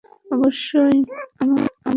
অবশ্যই, আমার মা।